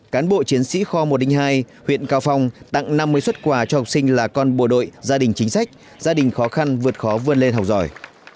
cán bộ chiến sĩ kho một trăm linh hai huyện cao phong tặng năm mươi xuất quà cho học sinh là con bộ đội gia đình chính sách gia đình khó khăn vượt khó vươn lên học giỏi